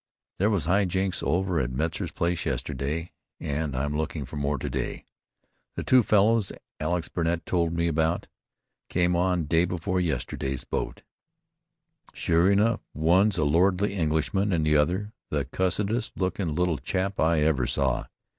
There was high jinks over at Metzar's place yesterday, and I'm looking for more to day. The two fellows Alex Bennet told me about, came on day before yesterday's boat. Sure enough, one's a lordly Englishman, and the other, the cussedest looking little chap I ever saw.